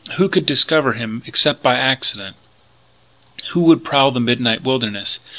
Who could discover him except by accident? Who would prowl the midnight wilderness?